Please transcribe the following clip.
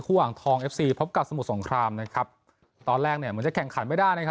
อ่างทองเอฟซีพบกับสมุทรสงครามนะครับตอนแรกเนี่ยเหมือนจะแข่งขันไม่ได้นะครับ